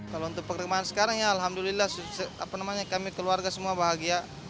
kalau untuk perkembangan sekarang ya alhamdulillah kami keluarga semua bahagia